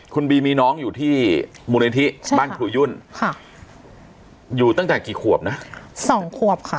คุณบีมีน้องอยู่ที่มูลนิธิบ้านครูยุ่นค่ะอยู่ตั้งแต่กี่ขวบนะสองขวบค่ะ